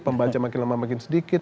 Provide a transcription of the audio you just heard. pembaca makin lemah makin sedikit